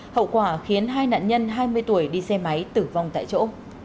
hậu quả khiến hai nạn nhân hai mươi tuổi đi xe máy tử vong tại chỗ